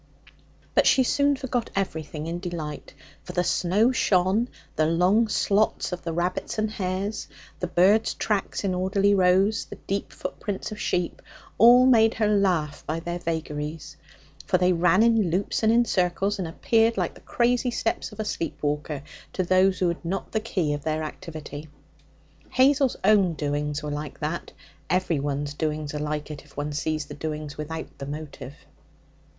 But she soon forgot everything in delight; for the snow shone, the long slots of the rabbits and hares, the birds' tracks in orderly rows, the deep footprints of sheep, all made her laugh by their vagaries, for they ran in loops and in circles, and appeared like the crazy steps of a sleep walker to those who had not the key of their activity. Hazel's own doings were like that; everyone's doings are like it, if one sees the doings without the motive.